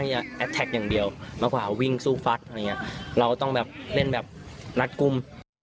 เราต้องเล่นแบบนักกุม